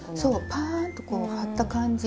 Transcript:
パーッとこう張った感じが。